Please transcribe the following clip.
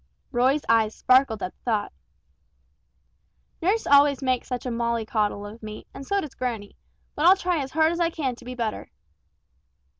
Roy's eyes sparkled at the thought. "Nurse always makes such a molly coddle of me, and so does granny; but I'll try as hard as I can to be better."